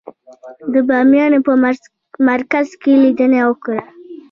د بامیانو په مرکز کې لیدنه وکړه.